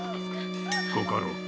ご家老。